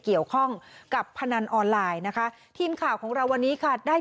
เกี่ยวข้องกับพนันออนไลน์นะคะทีมข่าวของเราวันนี้ค่ะได้